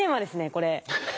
これ。